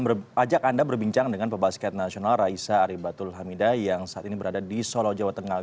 nah langsung saja kita juga ajak anda berbincang dengan pebasket nasional raisa aribatul hamida yang saat ini berada di solo jawa tengah